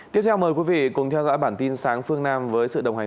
tiếp theo mời quý vị cùng theo dõi bản tin sáng phương nam với sự đồng hành